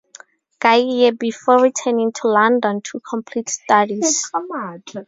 Guye before returning to London to complete studies.